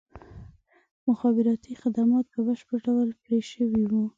مخابراتي خدمات په بشپړ ډول پرې شوي وو.